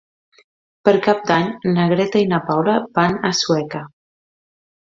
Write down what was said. Per Cap d'Any na Greta i na Paula van a Sueca.